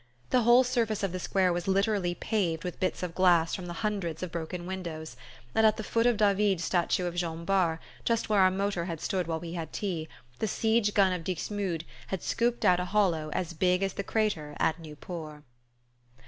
The whole surface of the square was literally paved with bits of glass from the hundreds of broken windows, and at the foot of David's statue of Jean Bart, just where our motor had stood while we had tea, the siege gun of Dixmude had scooped out a hollow as big as the crater at Nieuport.